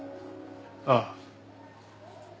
ああ。